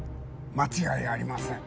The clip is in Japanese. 間違いありません。